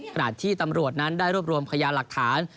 ขณะที่ตำรวจนั้นได้รวบรวมพยานหลักฐาน